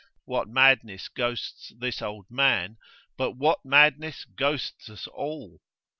What madness ghosts this old man, but what madness ghosts us all?